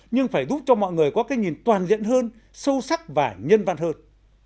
nhưng phải giúp cho mọi người có cái nhìn toàn diện hơn sâu sắc và nhân văn hơn